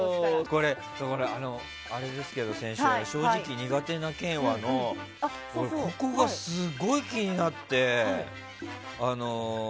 これ、先週の正直苦手な県は？のここがすごい気になって。